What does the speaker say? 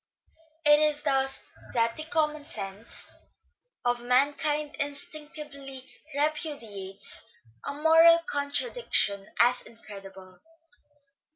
It is thus that the commonsense of mankind instinctively repudiates a moral contradic tion as incredible.